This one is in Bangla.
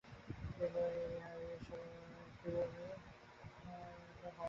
বিহারী, এসো বাবা, মহিনকে তুমি একবার ক্ষমা করো।